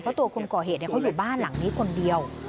เพราะตัวคนก่อเหตุเขาอยู่บ้านหลังนี้คนเดียว